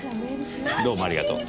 どうもありがとう。